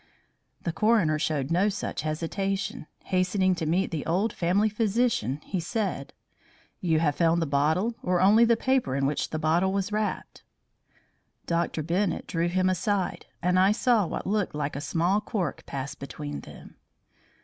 The coroner showed no such hesitation. Hastening to meet the old family physician, he said: "You have found the bottle or only the paper in which the bottle was wrapped?" Dr. Bennett drew him aside, and I saw what looked like a small cork pass between them.